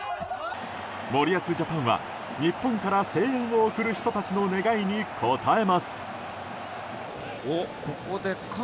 森保ジャパンは日本から声援を送る人たちの願いに応えます。